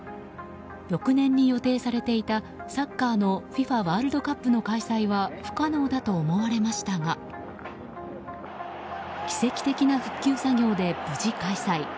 翌年に予定されていたサッカーのＦＩＦＡワールドカップの開催は不可能だと思われましたが奇跡的な復旧作業で無事開催。